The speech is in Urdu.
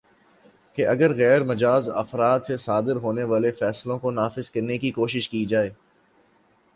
کہ اگرغیر مجاز افراد سے صادر ہونے والے فیصلوں کو نافذ کرنے کی کوشش کی جائے